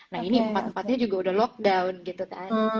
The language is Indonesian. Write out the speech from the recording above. nah ini empat empatnya juga udah lockdown gitu kan